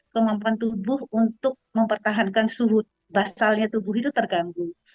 kemampuan tubuh untuk mempertahankan suhu basalnya tubuh itu terganggu